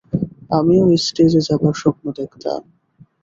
আমিও স্টেজে যাবার স্বপ্ন দেখতাম।